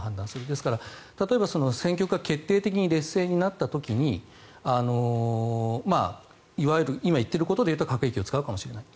ですから、例えば戦局が決定的に劣勢になった時にいわゆる今言っていることでいうと核兵器を使うかもしれない。